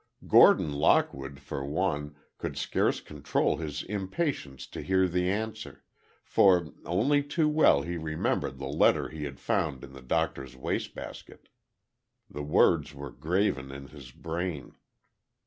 Gordon Lockwood, for one, could scarce control his impatience to hear the answer. For, only too well he remembered the letter he had found in the Doctor's waste basket. The words were graven in his brain.